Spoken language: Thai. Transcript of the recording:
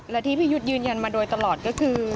และที่พี่ยุทธยืนยันมาโดยตลอดก็คือ